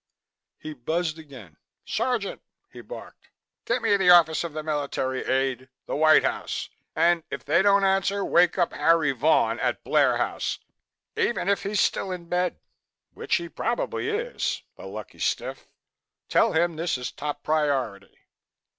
He buzzed again. "Sergeant!" he barked. "Get me the office of the Military Aide, the White House, and if they don't answer, wake up Harry Vaughan at Blair House, even if he's still in bed, which he probably is the lucky stiff! Tell him this is top priority."